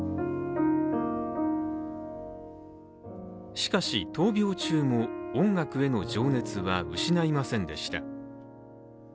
しかし、闘病中も音楽への情熱は失いませんでした。